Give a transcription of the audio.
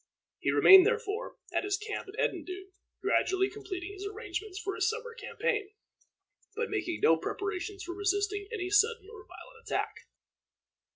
He remained, therefore, at his camp at Edendune, gradually completing his arrangements for his summer campaign, but making no preparations for resisting any sudden or violent attack.